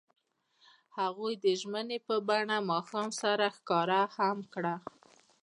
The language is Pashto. هغوی د ژمنې په بڼه ماښام سره ښکاره هم کړه.